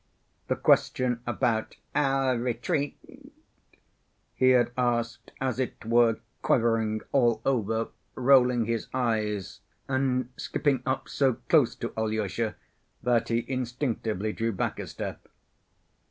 The question about "our retreat" he had asked as it were quivering all over, rolling his eyes, and skipping up so close to Alyosha that he instinctively drew back a step.